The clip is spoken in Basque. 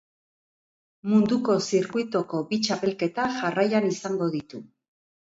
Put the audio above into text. Munduko zirkuitoko bi txapelketa jarraian izango ditu.